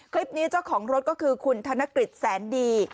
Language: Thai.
คลิปนี้เจ้าของรถก็คือคุณธนกฤทธิ์แสนดี